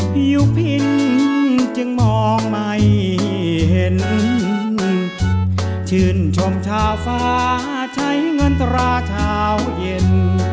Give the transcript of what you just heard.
ผิวพินจึงมองไม่เห็นชื่นชมชาวฟ้าใช้เงินตราเช้าเย็น